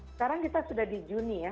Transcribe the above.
sekarang kita sudah di juni ya